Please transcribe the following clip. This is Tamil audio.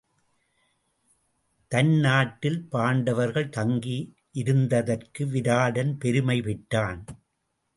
தன் நாட்டில் பாண்டவர்கள் தங்கி இருந்ததற்கு விராடன் பெருமை பெற்றான்.